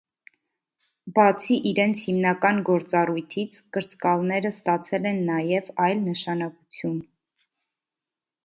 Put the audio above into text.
Բացի իրենց հիմնական գործառույթից, կրծկալները ստացել են նաև այլ նշանակություն։